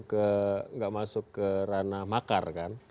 tidak masuk ke ranah makar kan